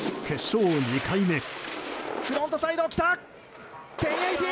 決勝２回目。